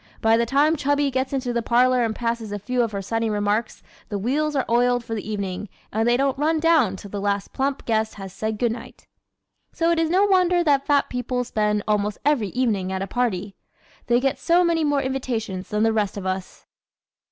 By the time Chubby gets into the parlor and passes a few of her sunny remarks the wheels are oiled for the evening and they don't run down till the last plump guest has said good night. ¶ So it is no wonder that fat people spend almost every evening at a party. They get so many more invitations than the rest of us!